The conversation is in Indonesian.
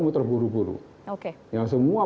muter buru buru semua